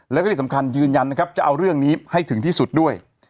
แล้วก็ที่สำคัญยืนยันนะครับจะเอาเรื่องนี้ให้ถึงที่สุดด้วย